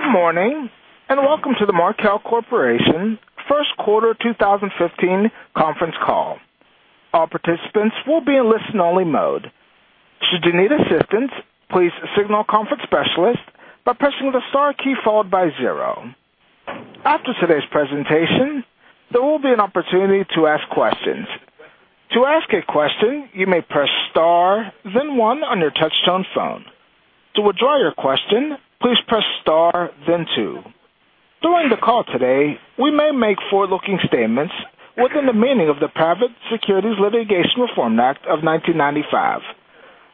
Good morning, welcome to the Markel Corporation first quarter 2015 conference call. All participants will be in listen-only mode. Should you need assistance, please signal a conference specialist by pressing the star key followed by 0. After today's presentation, there will be an opportunity to ask questions. To ask a question, you may press star then 1 on your touchtone phone. To withdraw your question, please press star then 2. During the call today, we may make forward-looking statements within the meaning of the Private Securities Litigation Reform Act of 1995.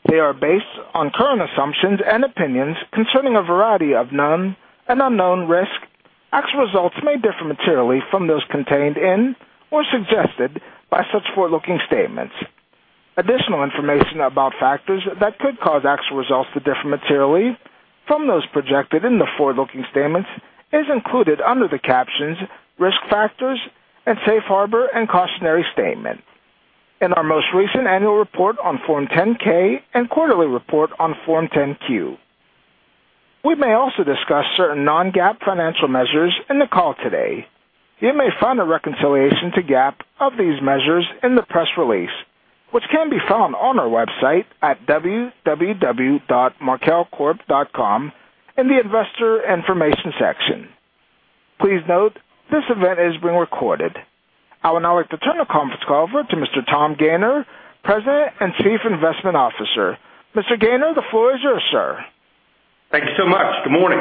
They are based on current assumptions and opinions concerning a variety of known and unknown risks. Actual results may differ materially from those contained in or suggested by such forward-looking statements. Additional information about factors that could cause actual results to differ materially from those projected in the forward-looking statements is included under the captions "Risk Factors" and "Safe Harbor and Cautionary Statement" in our most recent annual report on Form 10-K and quarterly report on Form 10-Q. We may also discuss certain non-GAAP financial measures in the call today. You may find a reconciliation to GAAP of these measures in the press release, which can be found on our website at www.markelcorp.com in the investor information section. Please note, this event is being recorded. I would now like to turn the conference call over to Mr. Tom Gayner, President and Chief Investment Officer. Mr. Gayner, the floor is yours, sir. Thank you so much. Good morning.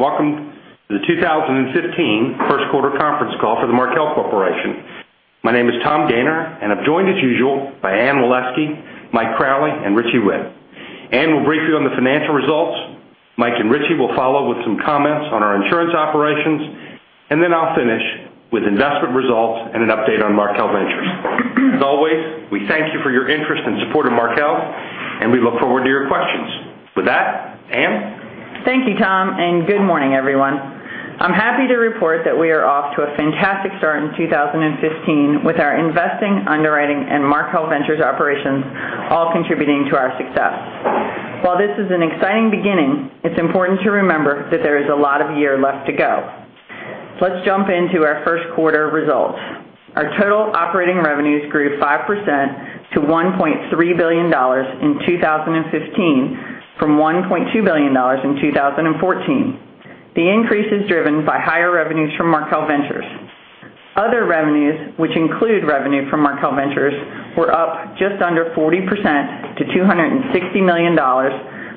Welcome to the 2015 first quarter conference call for the Markel Corporation. My name is Tom Gayner, I'm joined, as usual, by Anne Waleski, Mike Crowley, and Richie Whitt. Anne will brief you on the financial results. Mike and Richie will follow with some comments on our insurance operations, then I'll finish with investment results and an update on Markel Ventures. As always, we thank you for your interest and support of Markel, we look forward to your questions. With that, Anne? Thank you, Tom, good morning, everyone. I'm happy to report that we are off to a fantastic start in 2015 with our investing, underwriting, and Markel Ventures operations all contributing to our success. While this is an exciting beginning, it's important to remember that there is a lot of year left to go. Let's jump into our first quarter results. Our total operating revenues grew 5% to $1.3 billion in 2015 from $1.2 billion in 2014. The increase is driven by higher revenues from Markel Ventures. Other revenues, which include revenue from Markel Ventures, were up just under 40% to $260 million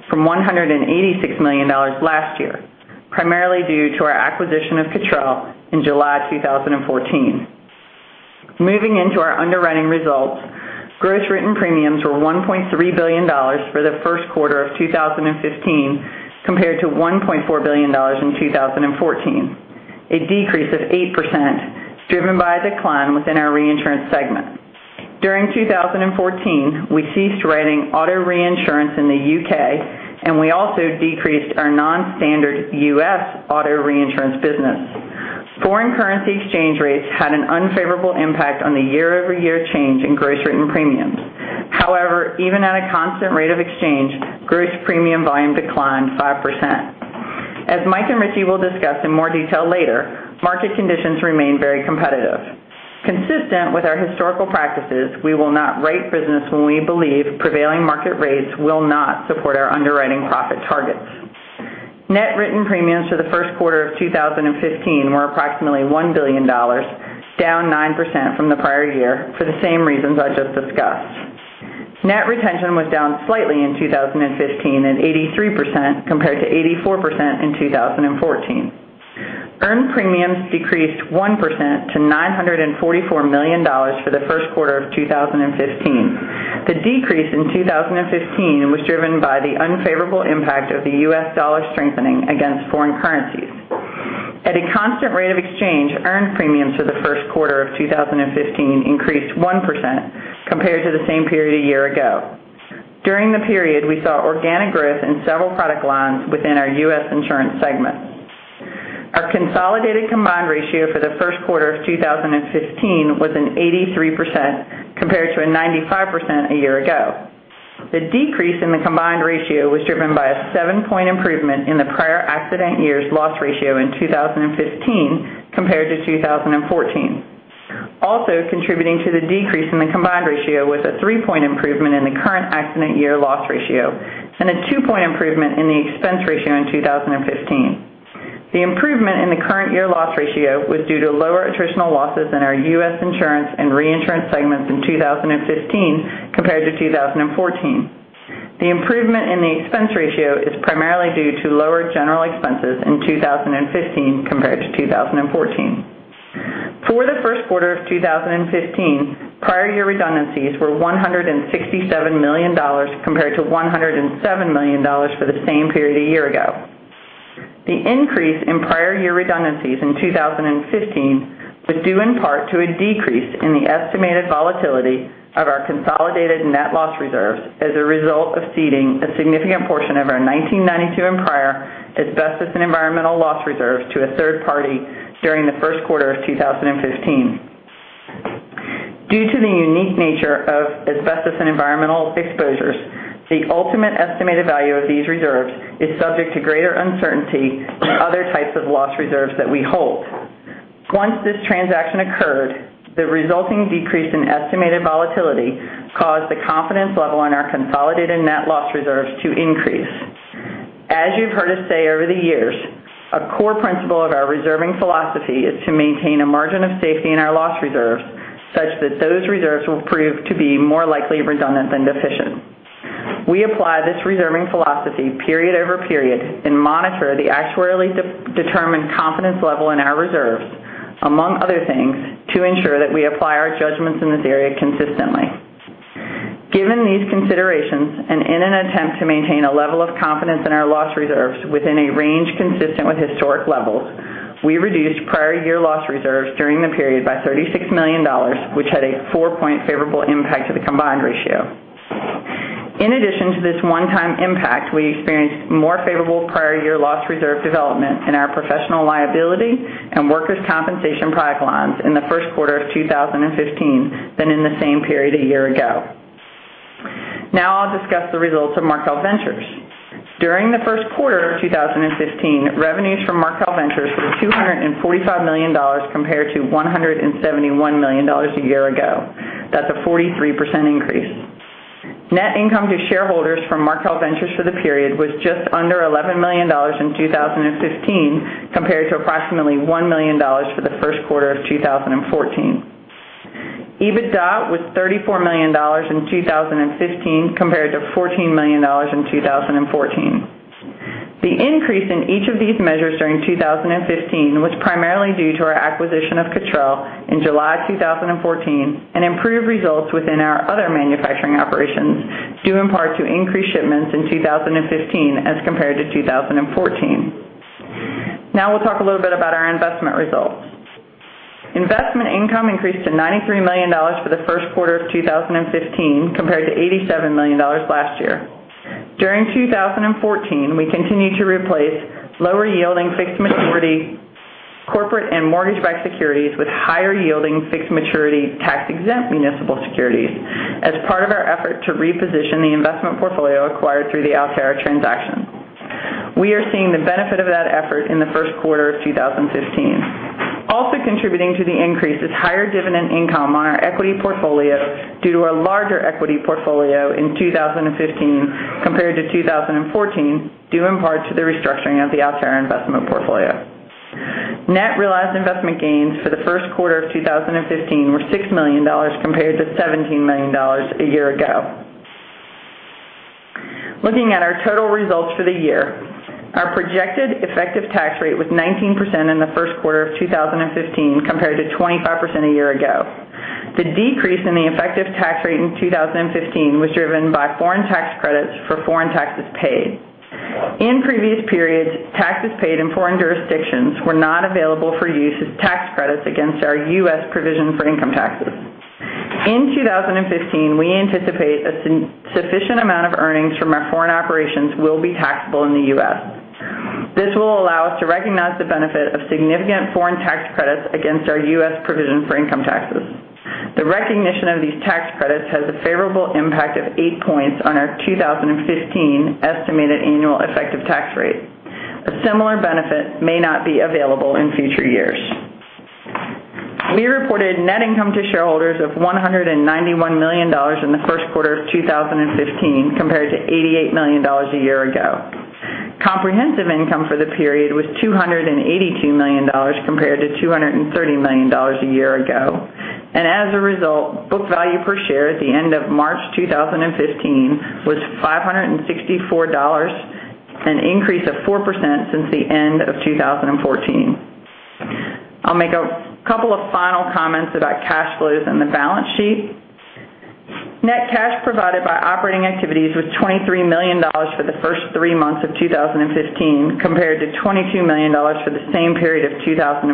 from $186 million last year, primarily due to our acquisition of Cottrell in July 2014. Moving into our underwriting results, gross written premiums were $1.3 billion for the first quarter of 2015 compared to $1.4 billion in 2014, a decrease of 8% driven by a decline within our reinsurance segment. During 2014, we ceased writing auto reinsurance in the U.K. and we also decreased our non-standard U.S. auto reinsurance business. Foreign currency exchange rates had an unfavorable impact on the year-over-year change in gross written premiums. Even at a constant rate of exchange, gross premium volume declined 5%. As Mike and Richie will discuss in more detail later, market conditions remain very competitive. Consistent with our historical practices, we will not write business when we believe prevailing market rates will not support our underwriting profit targets. Net written premiums for the first quarter of 2015 were approximately $1 billion, down 9% from the prior year for the same reasons I just discussed. Net retention was down slightly in 2015 at 83% compared to 84% in 2014. Earned premiums decreased 1% to $944 million for the first quarter of 2015. The decrease in 2015 was driven by the unfavorable impact of the U.S. dollar strengthening against foreign currencies. At a constant rate of exchange, earned premiums for the first quarter of 2015 increased 1% compared to the same period a year ago. During the period, we saw organic growth in several product lines within our U.S. insurance segment. Our consolidated combined ratio for the first quarter of 2015 was an 83% compared to a 95% a year ago. The decrease in the combined ratio was driven by a seven-point improvement in the prior accident year's loss ratio in 2015 compared to 2014. Also contributing to the decrease in the combined ratio was a three-point improvement in the current accident year loss ratio and a two-point improvement in the expense ratio in 2015. The improvement in the current year loss ratio was due to lower attritional losses in our U.S. insurance and reinsurance segments in 2015 compared to 2014. The improvement in the expense ratio is primarily due to lower general expenses in 2015 compared to 2014. For the first quarter of 2015, prior year redundancies were $167 million compared to $107 million for the same period a year ago. The increase in prior year redundancies in 2015 was due in part to a decrease in the estimated volatility of our consolidated net loss reserves as a result of ceding a significant portion of our 1992 and prior asbestos and environmental loss reserves to a third party during the first quarter of 2015. Due to the unique nature of asbestos and environmental exposures, the ultimate estimated value of these reserves is subject to greater uncertainty than other types of loss reserves that we hold. Once this transaction occurred, the resulting decrease in estimated volatility caused the confidence level in our consolidated net loss reserves to increase. As you've heard us say over the years, a core principle of our reserving philosophy is to maintain a margin of safety in our loss reserves, such that those reserves will prove to be more likely redundant than deficient. We apply this reserving philosophy period over period and monitor the actuarially determined confidence level in our reserves, among other things, to ensure that we apply our judgments in this area consistently. Given these considerations, and in an attempt to maintain a level of confidence in our loss reserves within a range consistent with historic levels, we reduced prior year loss reserves during the period by $36 million, which had a four-point favorable impact to the combined ratio. In addition to this one-time impact, we experienced more favorable prior year loss reserve development in our professional liability and workers' compensation product lines in the first quarter of 2015 than in the same period a year ago. I'll discuss the results of Markel Ventures. During the first quarter of 2015, revenues from Markel Ventures were $245 million compared to $171 million a year ago. That's a 43% increase. Net income to shareholders from Markel Ventures for the period was just under $11 million in 2015, compared to approximately $1 million for the first quarter of 2014. EBITDA was $34 million in 2015 compared to $14 million in 2014. The increase in each of these measures during 2015 was primarily due to our acquisition of Cottrell in July 2014 and improved results within our other manufacturing operations, due in part to increased shipments in 2015 as compared to 2014. We'll talk a little bit about our investment results. Investment income increased to $93 million for the first quarter of 2015 compared to $87 million last year. During 2014, we continued to replace lower yielding fixed maturity corporate and mortgage-backed securities with higher yielding fixed maturity tax-exempt municipal securities as part of our effort to reposition the investment portfolio acquired through the Alterra transaction. We are seeing the benefit of that effort in the first quarter of 2015. Also contributing to the increase is higher dividend income on our equity portfolio due to a larger equity portfolio in 2015 compared to 2014, due in part to the restructuring of the Alterra investment portfolio. Net realized investment gains for the first quarter of 2015 were $6 million compared to $17 million a year ago. Looking at our total results for the year, our projected effective tax rate was 19% in the first quarter of 2015 compared to 25% a year ago. The decrease in the effective tax rate in 2015 was driven by foreign tax credits for foreign taxes paid. In previous periods, taxes paid in foreign jurisdictions were not available for use as tax credits against our U.S. provision for income taxes. In 2015, we anticipate a sufficient amount of earnings from our foreign operations will be taxable in the U.S. This will allow us to recognize the benefit of significant foreign tax credits against our U.S. provision for income taxes. The recognition of these tax credits has a favorable impact of eight points on our 2015 estimated annual effective tax rate. A similar benefit may not be available in future years. We reported net income to shareholders of $191 million in the first quarter of 2015 compared to $88 million a year ago. Comprehensive income for the period was $282 million compared to $230 million a year ago. As a result, book value per share at the end of March 2015 was $564, an increase of 4% since the end of 2014. I'll make a couple of final comments about cash flows and the balance sheet. Net cash provided by operating activities was $23 million for the first three months of 2015 compared to $22 million for the same period of 2014.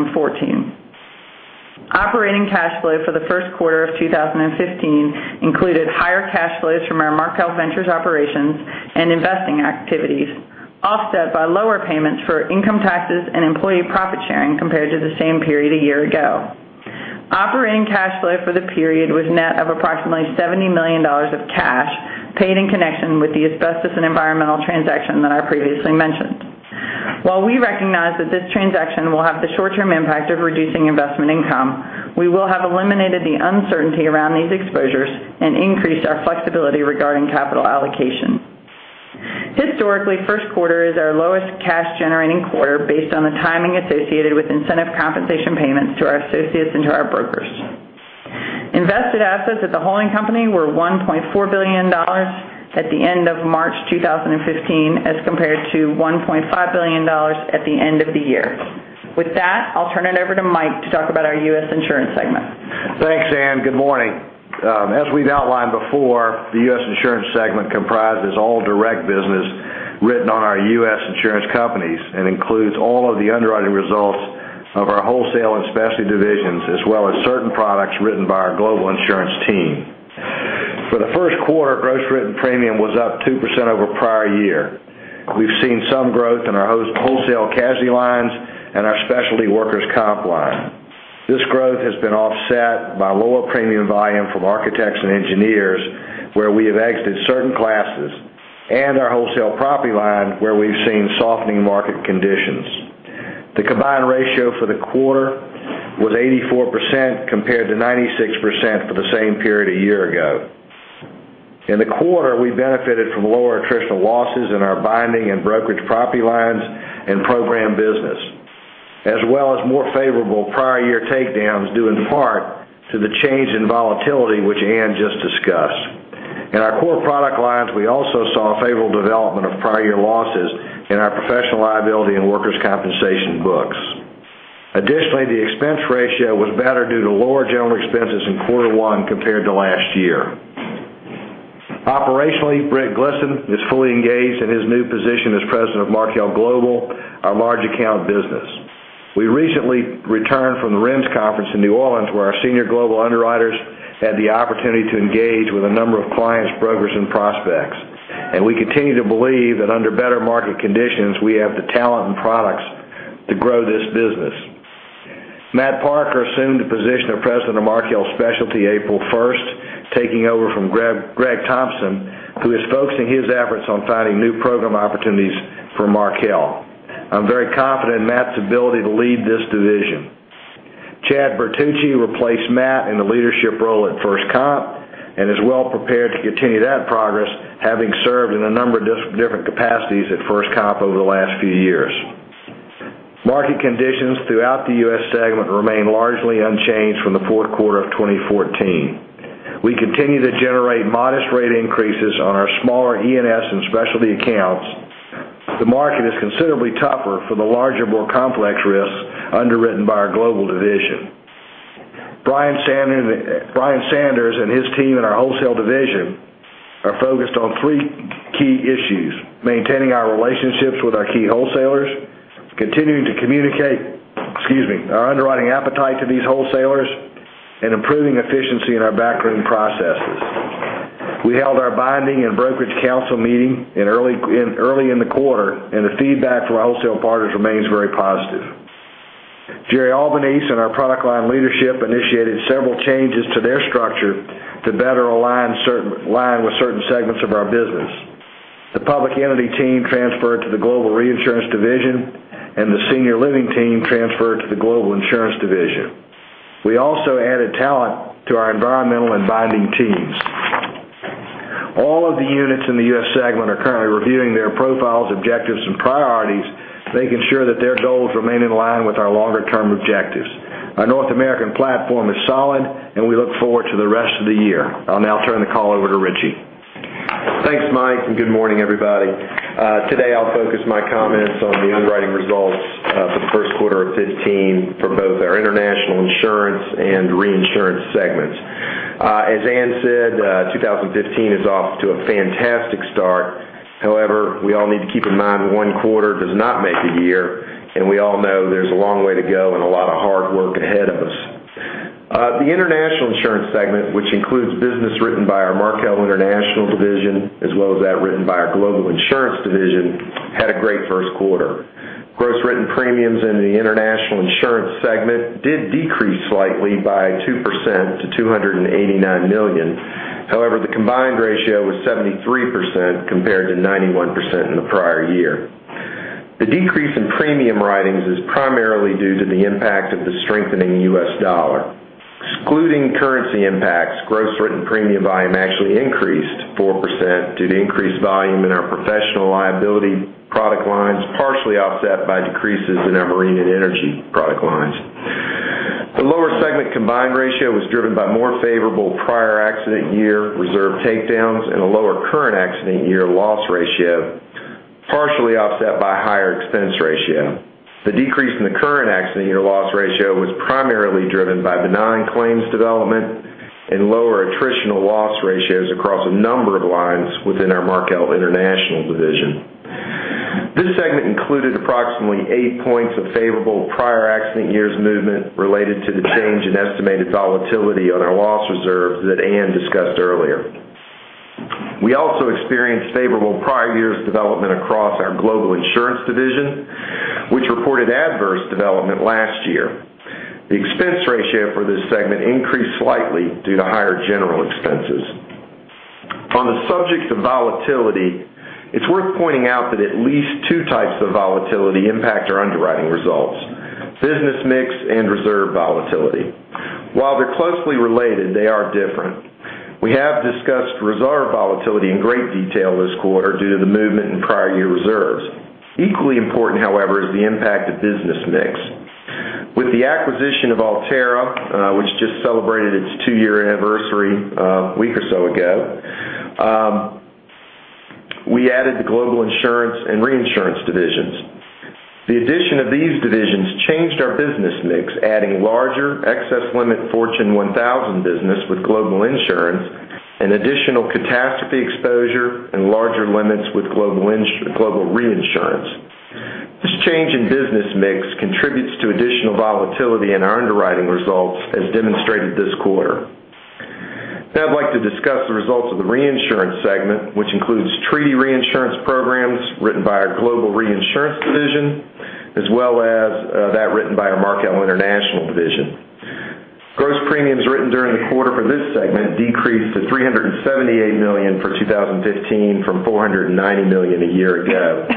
Operating cash flow for the first quarter of 2015 included higher cash flows from our Markel Ventures operations and investing activities, offset by lower payments for income taxes and employee profit-sharing compared to the same period a year ago. Operating cash flow for the period was net of approximately $70 million of cash paid in connection with the asbestos and environmental transaction that I previously mentioned. While we recognize that this transaction will have the short-term impact of reducing investment income, we will have eliminated the uncertainty around these exposures and increased our flexibility regarding capital allocation. Historically, first quarter is our lowest cash-generating quarter based on the timing associated with incentive compensation payments to our associates and to our brokers. Invested assets at the holding company were $1.4 billion at the end of March 2015 as compared to $1.5 billion at the end of the year. I'll turn it over to Mike to talk about our U.S. Insurance segment. Thanks, Anne. Good morning. As we've outlined before, the U.S. Insurance segment comprises all direct business written on our U.S. insurance companies and includes all of the underwriting results of our Wholesale and Specialty divisions, as well as certain products written by our Global Insurance team. For the first quarter, gross written premium was up 2% over prior year. We've seen some growth in our Wholesale casualty lines and our Specialty workers' comp line. This growth has been offset by lower premium volume from architects and engineers, where we have exited certain classes, and our Wholesale property line, where we've seen softening market conditions. The combined ratio for the quarter was 84%, compared to 96% for the same period a year ago. In the quarter, we benefited from lower attritional losses in our binding and brokerage property lines and program business, as well as more favorable prior year takedowns due in part to the change in volatility, which Anne just discussed. In our core product lines, we also saw favorable development of prior year losses in our professional liability and workers' compensation books. Additionally, the expense ratio was better due to lower general expenses in quarter one compared to last year. Operationally, Britt Glisson is fully engaged in his new position as President of Markel Global, our large account business. We recently returned from the RIMS Conference in New Orleans, where our senior Global underwriters had the opportunity to engage with a number of clients, brokers, and prospects, and we continue to believe that under better market conditions, we have the talent and products to grow this business. Matt Parker assumed the position of President of Markel Specialty April 1st, taking over from Greg Thompson, who is focusing his efforts on finding new program opportunities for Markel. I'm very confident in Matt's ability to lead this division. Chad Bertucci replaced Matt in the leadership role at FirstComp and is well prepared to continue that progress, having served in a number of different capacities at FirstComp over the last few years. Market conditions throughout the U.S. segment remain largely unchanged from the fourth quarter of 2014. We continue to generate modest rate increases on our smaller E&S and specialty accounts. The market is considerably tougher for the larger, more complex risks underwritten by our Global division. Bryan Sanders and his team in our Wholesale division are focused on three key issues: maintaining our relationships with our key wholesalers, continuing to communicate our underwriting appetite to these wholesalers, and improving efficiency in our backroom processes. The feedback from our wholesale partners remains very positive. Gerry Albanese and our product line leadership initiated several changes to their structure to better align with certain segments of our business. The public entity team transferred to the Global Reinsurance division, and the senior living team transferred to the Global Insurance division. We also added talent to our environmental and binding teams. All of the units in the U.S. segment are currently reviewing their profiles, objectives, and priorities, making sure that their goals remain in line with our longer term objectives. Our North American platform is solid. We look forward to the rest of the year. I'll now turn the call over to Richie. Thanks, Mike. Good morning, everybody. Today I'll focus my comments on the underwriting results for the first quarter of 2015 for both our International Insurance and reinsurance segments. As Anne said, 2015 is off to a fantastic start. We all need to keep in mind one quarter does not make a year, and we all know there's a long way to go and a lot of hard work ahead of us. The International Insurance segment, which includes business written by our Markel International division, as well as that written by our Global Insurance division, had a great first quarter. Gross written premiums in the International Insurance segment did decrease slightly by 2% to $289 million. The combined ratio was 73% compared to 91% in the prior year. The decrease in premium writings is primarily due to the impact of the strengthening U.S. dollar. Excluding currency impacts, gross written premium volume actually increased 4% due to increased volume in our professional liability product lines, partially offset by decreases in our marine and energy product lines. The lower segment combined ratio was driven by more favorable prior accident year reserve takedowns and a lower current accident year loss ratio, partially offset by a higher expense ratio. The decrease in the current accident year loss ratio was primarily driven by benign claims development and lower attritional loss ratios across a number of lines within our Markel International division. This segment included approximately 8 points of favorable prior accident years movement related to the change in estimated volatility on our loss reserves that Anne discussed earlier. We also experienced favorable prior year's development across our Global Insurance division, which reported adverse development last year. The expense ratio for this segment increased slightly due to higher general expenses. On the subject of volatility, it's worth pointing out that at least 2 types of volatility impact our underwriting results, business mix and reserve volatility. While they're closely related, they are different. We have discussed reserve volatility in great detail this quarter due to the movement in prior year reserves. Equally important, however, is the impact of business mix. With the acquisition of Alterra, which just celebrated its 2-year anniversary a week or so ago, we added the Global Insurance and reinsurance divisions. The addition of these divisions changed our business mix, adding larger excess limit Fortune 1000 business with Global Insurance and additional catastrophe exposure and larger limits with Global Reinsurance. This change in business mix contributes to additional volatility in our underwriting results as demonstrated this quarter. I'd like to discuss the results of the reinsurance segment, which includes treaty reinsurance programs written by our Global Reinsurance division, as well as that written by our Markel International division. Gross premiums written during the quarter for this segment decreased to $378 million for 2015 from $490 million a year ago.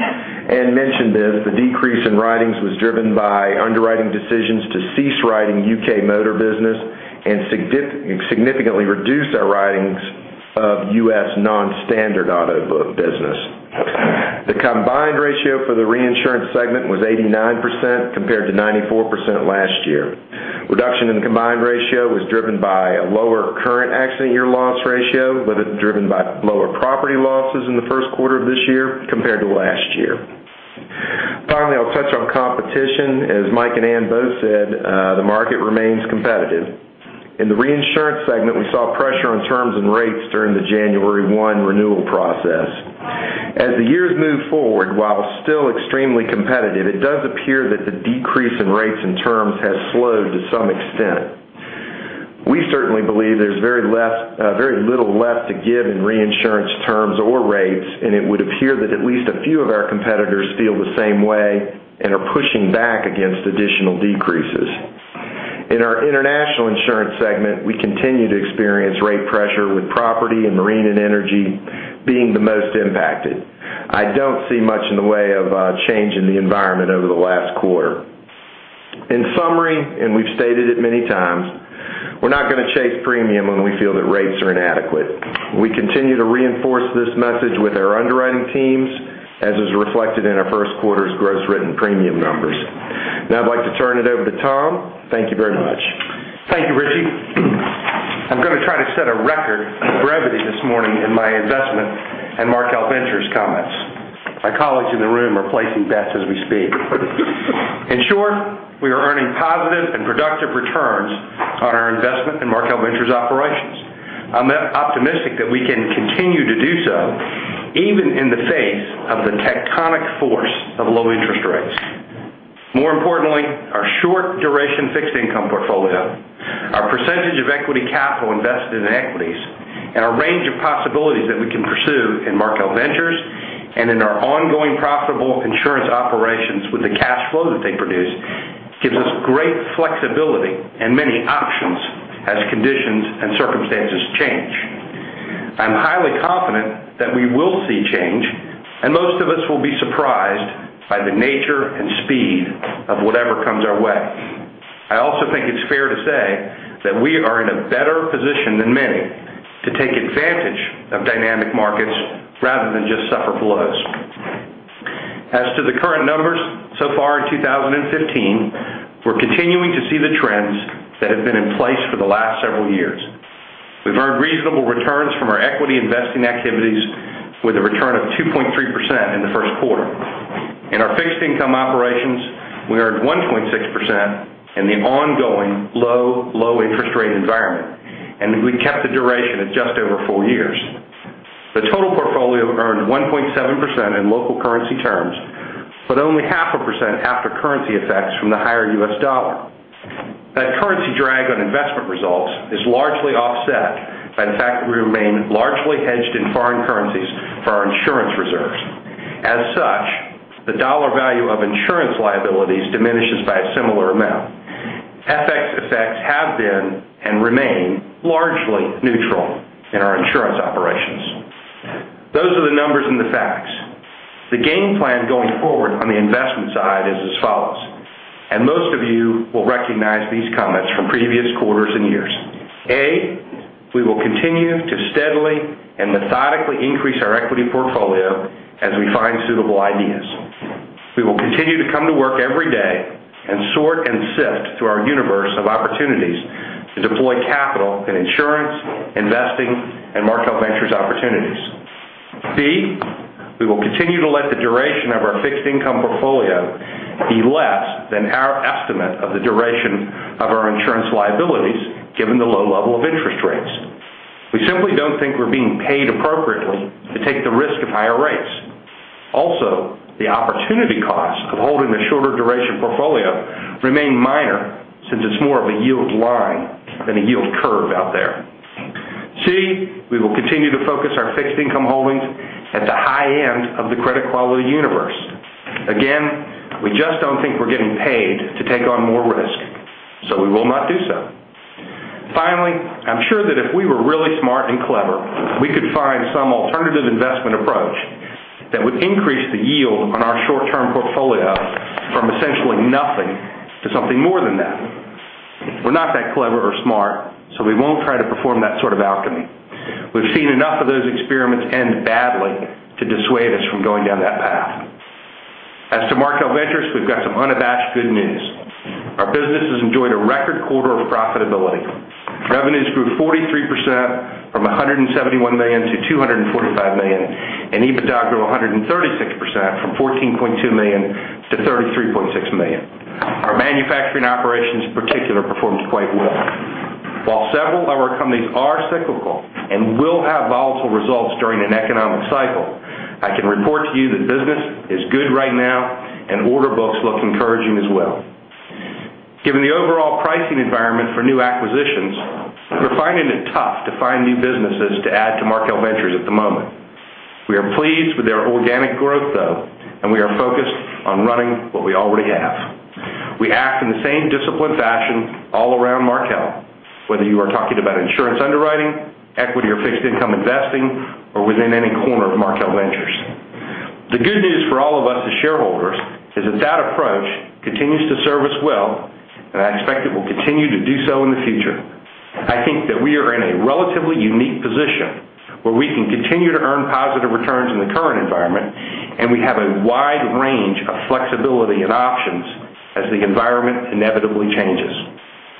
Anne mentioned this, the decrease in writings was driven by underwriting decisions to cease writing U.K. motor business and significantly reduced our writings of U.S. non-standard auto business. The combined ratio for the reinsurance segment was 89% compared to 94% last year. Reduction in combined ratio was driven by a lower current accident year loss ratio, with it driven by lower property losses in the first quarter of this year compared to last year. Finally, I'll touch on competition. As Mike and Anne both said, the market remains competitive. In the reinsurance segment, we saw pressure on terms and rates during the January 1 renewal process. The years move forward, while still extremely competitive, it does appear that the decrease in rates and terms has slowed to some extent. We certainly believe there's very little left to give in reinsurance terms or rates, it would appear that at least a few of our competitors feel the same way and are pushing back against additional decreases. In our International Insurance segment, we continue to experience rate pressure with property and marine and energy being the most impacted. I don't see much in the way of a change in the environment over the last quarter. In summary, we've stated it many times, we're not going to chase premium when we feel that rates are inadequate. We continue to reinforce this message with our underwriting teams, as is reflected in our first quarter's gross written premium numbers. I'd like to turn it over to Tom. Thank you very much. Thank you, Richie. I'm going to try to set a record of brevity this morning in my investment and Markel Ventures comments. My colleagues in the room are placing bets as we speak. In short, we are earning positive and productive returns on our investment in Markel Ventures operations. I'm optimistic that we can continue to do so, even in the face of the tectonic force of low interest rates. More importantly, our short duration fixed income portfolio, our percentage of equity capital invested in equities, and our range of possibilities that we can pursue in Markel Ventures and in our ongoing profitable insurance operations with the cash flow that they produce gives us great flexibility and many options as conditions and circumstances change. I'm highly confident that we will see change, and most of us will be surprised by the nature and speed of whatever comes our way. I also think it's fair to say that we are in a better position than many to take advantage of dynamic markets rather than just suffer blows. As to the current numbers, so far in 2015, we're continuing to see the trends that have been in place for the last several years. We've earned reasonable returns from our equity investing activities with a return of 2.3% in the first quarter. In our fixed income operations, we earned 1.6% in the ongoing low interest rate environment, and we kept the duration at just over four years. The total portfolio earned 1.7% in local currency terms, but only half a percent after currency effects from the higher U.S. dollar. That currency drag on investment results is largely offset by the fact that we remain largely hedged in foreign currencies for our insurance reserves. As such, the dollar value of insurance liabilities diminishes by a similar amount. FX effects have been and remain largely neutral in our insurance operations. Those are the numbers and the facts. The game plan going forward on the investment side is as follows. Most of you will recognize these comments from previous quarters and years. A, we will continue to steadily and methodically increase our equity portfolio as we find suitable ideas. We will continue to come to work every day and sort and sift through our universe of opportunities to deploy capital in insurance, investing, and Markel Ventures opportunities. B, we will continue to let the duration of our fixed income portfolio be less than our estimate of the duration of our insurance liabilities, given the low level of interest rates. We simply don't think we're being paid appropriately to take the risk of higher rates. Also, the opportunity cost of holding a shorter duration portfolio remain minor since it's more of a yield line than a yield curve out there. C, we will continue to focus our fixed income holdings at the high end of the credit quality universe. Again, we just don't think we're getting paid to take on more risk, so we will not do so. Finally, I'm sure that if we were really smart and clever, we could find some alternative investment approach that would increase the yield on our short-term portfolio from essentially nothing to something more than that. We're not that clever or smart, so we won't try to perform that sort of alchemy. We've seen enough of those experiments end badly to dissuade us from going down that path. As to Markel Ventures, we've got some unabashed good news. Our business has enjoyed a record quarter of profitability. Revenues grew 43% from $171 million to $245 million, and EBITDA grew 136% from $14.2 million to $33.6 million. Manufacturing operations in particular performed quite well. While several of our companies are cyclical and will have volatile results during an economic cycle, I can report to you that business is good right now, and order books look encouraging as well. Given the overall pricing environment for new acquisitions, we're finding it tough to find new businesses to add to Markel Ventures at the moment. We are pleased with their organic growth though, and we are focused on running what we already have. We act in the same disciplined fashion all around Markel, whether you are talking about insurance underwriting, equity or fixed income investing, or within any corner of Markel Ventures. The good news for all of us as shareholders is that that approach continues to serve us well, and I expect it will continue to do so in the future. I think that we are in a relatively unique position where we can continue to earn positive returns in the current environment, and we have a wide range of flexibility and options as the environment inevitably changes.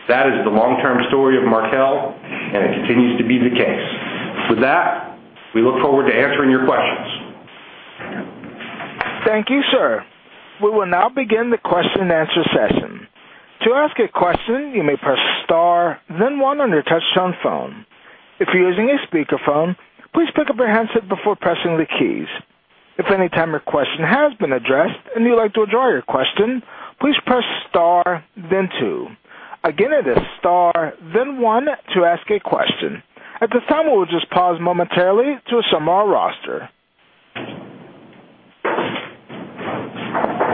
That is the long-term story of Markel, and it continues to be the case. With that, we look forward to answering your questions. Thank you, sir. We will now begin the question and answer session. To ask a question, you may press star then one on your touchtone phone. If you're using a speakerphone, please pick up your handset before pressing the keys. If at any time your question has been addressed and you'd like to withdraw your question, please press star then two. Again, it is star then one to ask a question. At this time, we'll just pause momentarily to assemble our roster.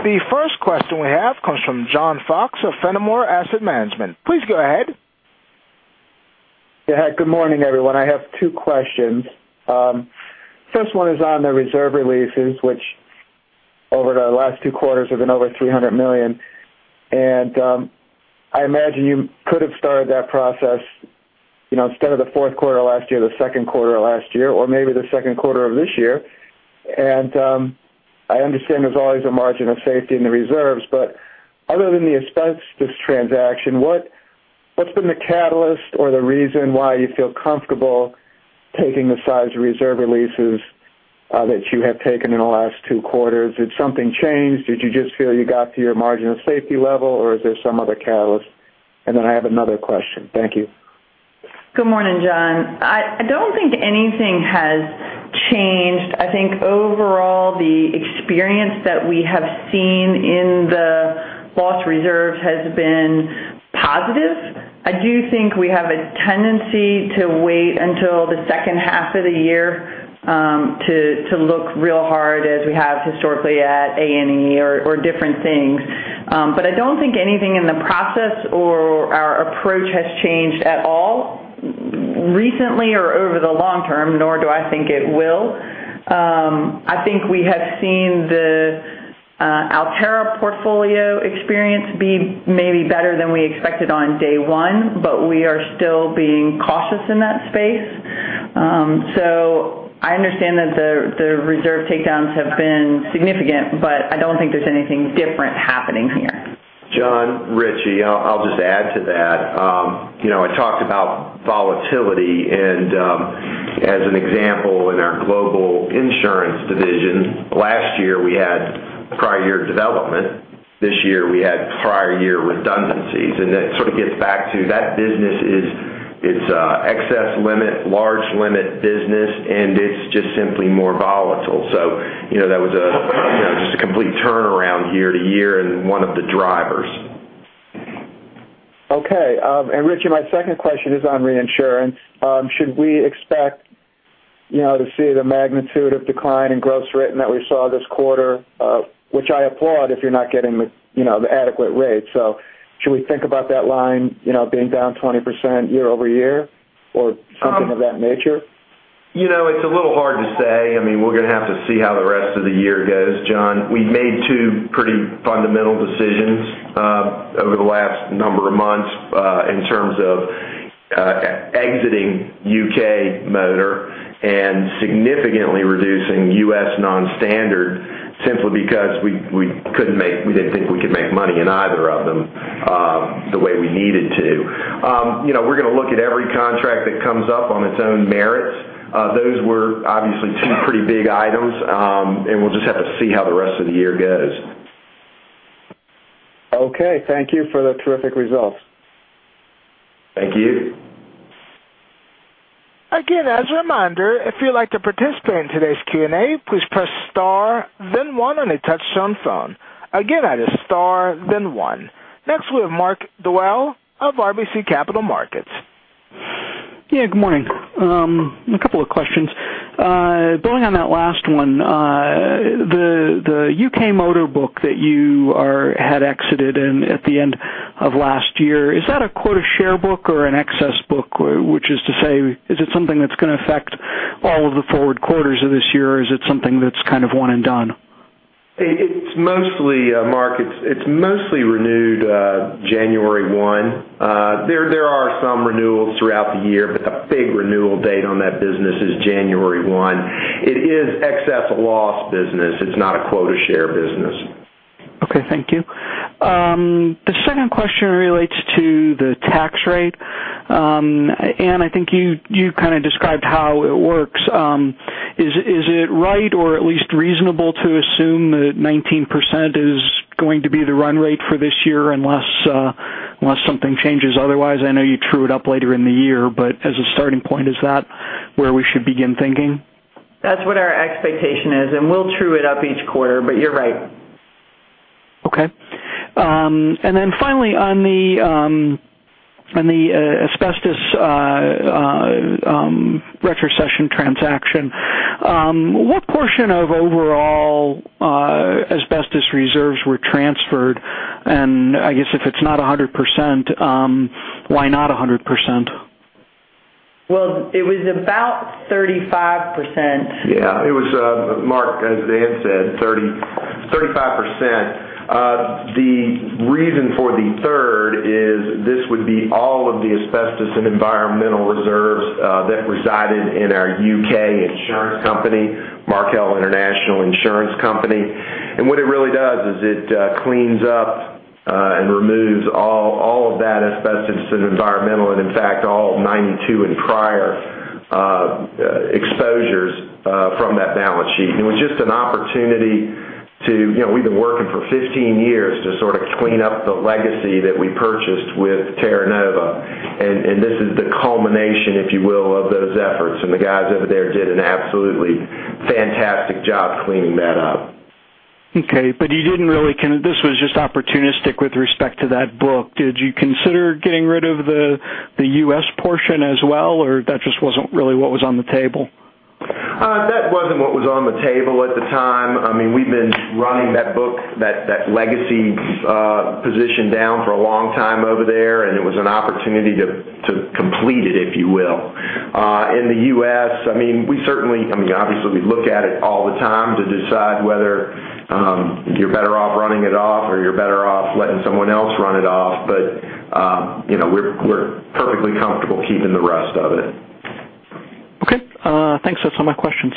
The first question we have comes from John Fox of Fenimore Asset Management. Please go ahead. Yeah. Good morning, everyone. I have two questions. First one is on the reserve releases, which over the last two quarters have been over $300 million. I imagine you could have started that process instead of the fourth quarter last year, the second quarter last year, or maybe the second quarter of this year. I understand there's always a margin of safety in the reserves, but other than the A&E transaction, what's been the catalyst or the reason why you feel comfortable taking the size of reserve releases that you have taken in the last two quarters? Did something change? Did you just feel you got to your margin of safety level, or is there some other catalyst? I have another question. Thank you. Good morning, John. I don't think anything has changed. I think overall, the experience that we have seen in the loss reserve has been positive. I do think we have a tendency to wait until the second half of the year to look real hard as we have historically at A&E or different things. I don't think anything in the process or our approach has changed at all recently or over the long term, nor do I think it will. I think we have seen the Alterra portfolio experience be maybe better than we expected on day one, but we are still being cautious in that space. I understand that the reserve takedowns have been significant, but I don't think there's anything different happening here. John, Richie, I'll just add to that. I talked about volatility and as an example, in our Global Insurance division last year, we had prior year development. This year we had prior year redundancies, and that sort of gets back to that business is excess limit, large limit business, and it's just simply more volatile. That was just a complete turnaround year to year and one of the drivers. Okay. Richie, my second question is on reinsurance. Should we expect to see the magnitude of decline in gross written that we saw this quarter? Which I applaud if you're not getting the adequate rate. Should we think about that line being down 20% year-over-year or something of that nature? It's a little hard to say. We're going to have to see how the rest of the year goes, John. We made two pretty fundamental decisions over the last number of months in terms of exiting U.K. motor and significantly reducing U.S. non-standard simply because we didn't think we could make money in either of them the way we needed to. We're going to look at every contract that comes up on its own merits. Those were obviously two pretty big items, and we'll just have to see how the rest of the year goes. Okay. Thank you for the terrific results. Thank you. Again, as a reminder, if you'd like to participate in today's Q&A, please press star then one on a touchtone phone. Again, that is star then one. Next, we have Mark Dwelle of RBC Capital Markets. Yeah, good morning. A couple of questions. Building on that last one, the U.K. motor book that you had exited at the end of last year, is that a quota share book or an excess book? Which is to say, is it something that's going to affect all of the forward quarters of this year, or is it something that's kind of one and done? Mark, it's mostly renewed January 1. There are some renewals throughout the year, but the big renewal date on that business is January 1. It is excess loss business. It's not a quota share business. Okay. Thank you. The second question relates to the tax rate, Anne. I think you described how it works. Is it right, or at least reasonable to assume that 19% is going to be the run rate for this year unless something changes otherwise? I know you true it up later in the year, but as a starting point, is that where we should begin thinking? That's what our expectation is, and we'll true it up each quarter, but you're right. Okay. Finally on the asbestos retrocession transaction, what portion of overall asbestos reserves were transferred? I guess if it's not 100%, why not 100%? Well, it was about 35%. Yeah. Mark, as Anne said, 35%. The reason for the third is this would be all of the asbestos and environmental reserves that resided in our U.K. insurance company, Markel International Insurance Company. What it really does is it cleans up and removes all of that asbestos and environmental and in fact, all 92 and prior exposures from that balance sheet. It was just an opportunity to, we've been working for 15 years to sort of clean up the legacy that we purchased with Terra Nova, and this is the culmination, if you will, of those efforts. The guys over there did an absolutely fantastic job cleaning that up. Okay. You didn't really. This was just opportunistic with respect to that book. Did you consider getting rid of the U.S. portion as well, or that just wasn't really what was on the table? That wasn't what was on the table at the time. We've been running that book, that legacy position down for a long time over there, and it was an opportunity to complete it, if you will. In the U.S., obviously, we look at it all the time to decide whether you're better off running it off or you're better off letting someone else run it off. We're perfectly comfortable keeping the rest of it. Okay. Thanks. That's all my questions.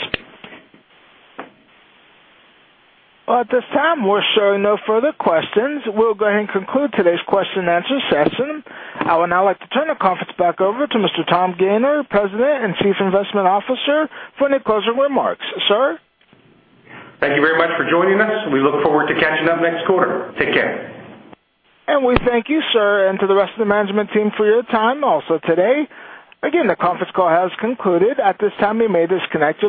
At this time, we're showing no further questions. We'll go ahead and conclude today's question and answer session. I would now like to turn the conference back over to Mr. Thomas Gayner, President and Chief Investment Officer, for any closing remarks. Sir? Thank you very much for joining us. We look forward to catching up next quarter. Take care. We thank you, sir, and to the rest of the management team for your time also today. Again, the conference call has concluded. At this time, we may disconnect your-